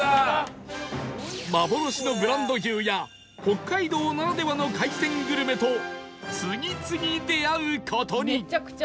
幻のブランド牛や北海道ならではの海鮮グルメと次々出会う事に